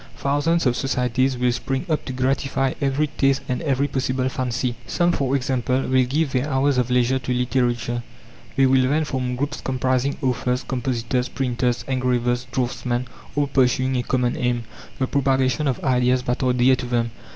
Thousands of societies will spring up to gratify every taste and every possible fancy. Some, for example, will give their hours of leisure to literature. They will then form groups comprising authors, compositors, printers, engravers, draughtsmen, all pursuing a common aim the propagation of ideas that are dear to them.